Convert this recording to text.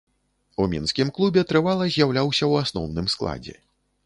У мінскім клубе трывала з'яўляўся ў асноўным складзе.